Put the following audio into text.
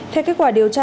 theo kết quả điều tra